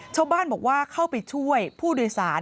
ชาวบ้านบอกว่าเข้าไปช่วยผู้โดยสาร